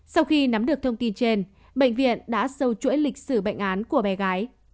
sau khi nắm được thông tin trên bệnh viện đã sâu chuỗi lịch sử bệnh án của bé gái